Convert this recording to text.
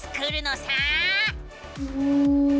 うん。